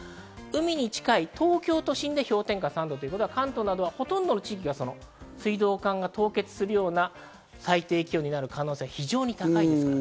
海に近い東京都心で氷点下３度ということは、関東などはほとんどの地域が水道管が凍結するような最低気温になる可能性が非常に高いです。